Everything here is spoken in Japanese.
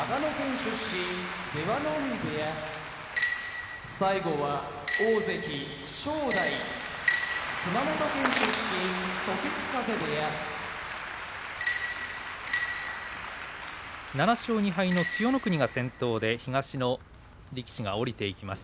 出羽海部屋大関・正代熊本県出身時津風部屋７勝２敗の千代の国が先頭で東の力士が下りていきます。